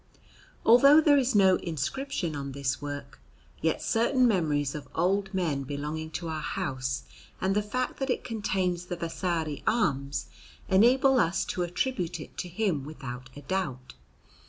Although there is no inscription on this work, yet certain memories of old men belonging to our house and the fact that it contains the Vasari arms, enable us to attribute it to him without a doubt.